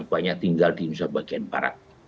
banyak tinggal di indonesia bagian barat